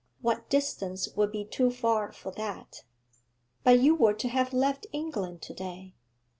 What distance would be too far for that?' 'But you were to have left England to day?'